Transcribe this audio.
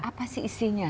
apa sih isinya